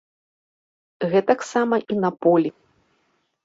Гэтаксама і на полі.